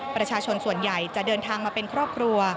ประชาชนส่วนใหญ่จะเดินทางมาเป็นครอบครัว